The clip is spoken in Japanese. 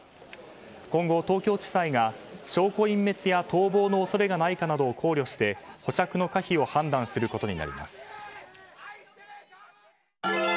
今後東京地裁が証拠隠滅や逃亡の恐れがないかなどを考慮して保釈の可否を判断することになります。